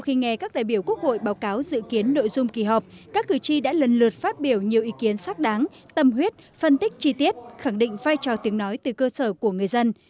khi nghe các đại biểu quốc hội báo cáo dự kiến nội dung kỳ họp các cử tri đã lần lượt phát biểu nhiều ý kiến xác đáng tâm huyết phân tích chi tiết khẳng định vai trò tiếng nói từ cơ sở của người dân